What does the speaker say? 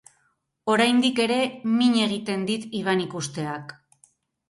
Oraindik ere min egiten dit Iban ikusteak.